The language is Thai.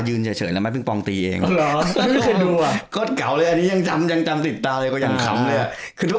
คืออยู่ตรงตรงกวดอกก่อนเคย